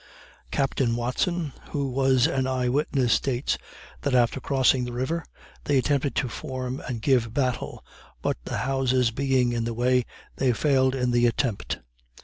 Captain Watson, who was an eye witness, states, "that after crossing the river, they attempted to form and give battle, but the houses being in the way, they failed in the attempt.